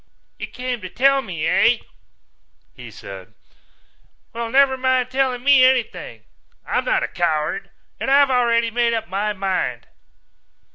"You came to tell me, eh?" he said. "Well, never mind telling me anything. I'm not a coward and I've already made up my mind."